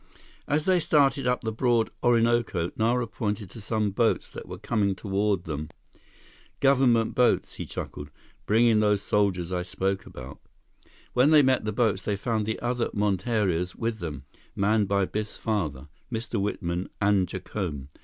As they started up the broad Orinoco, Nara pointed to some boats that were coming toward them. "Government boats," he chuckled, "bringing those soldiers I spoke about." When they met the boats, they found the other monterias with them, manned by Biffs father, Mr. Whitman, and Jacome.